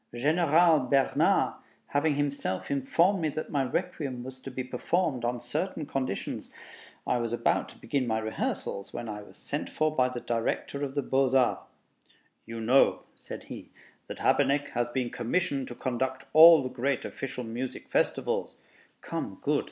General Bernard having himself informed me that my Requiem was to be performed on certain conditions, ... I was about to begin my rehearsals when I was sent for by the Director of the Beaux Arts. "You know," said he, "that Habeneck has been commissioned to conduct all the great official musical festivals?" ("Come, good!"